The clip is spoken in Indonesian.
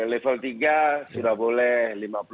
level tiga sudah boleh